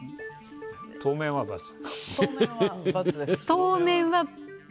当面は×。